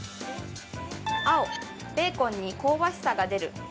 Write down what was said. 青・ベーコンに香ばしさが出る。